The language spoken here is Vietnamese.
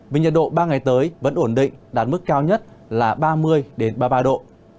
vì nhiệt độ ba ngày tới vẫn ổn định đạt mức cao nhất là ba mươi ba mươi ba độ